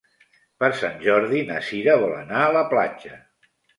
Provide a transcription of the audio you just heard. Per Sant Jordi na Sira vol anar a la platja.